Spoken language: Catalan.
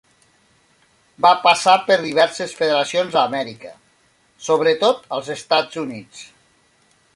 Va passar per diverses federacions a Amèrica, sobretot als Estats Units.